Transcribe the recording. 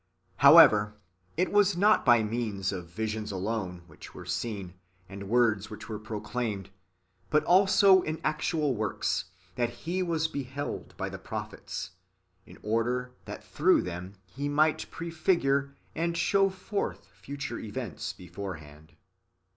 However, it was not by means of visions alone which were seen, and words which were proclaimed, but also in actual works, that He was beheld by the prophets, in order that through them He might prefigure and show forth future events beforehand.